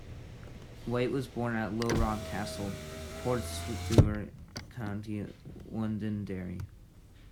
White was born at Low Rock Castle, Portstewart, County Londonderry.